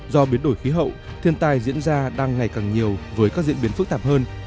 do biến đổi khí hậu thiên tai diễn ra đang ngày càng nhiều với các diễn biến phức tạp hơn